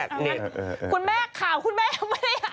คุณแม่ข่าวคุณแม่ยังไม่อ่าน